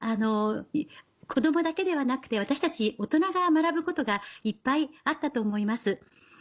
子供だけではなくて私たち大人が学ぶことがいっぱいあったと思います。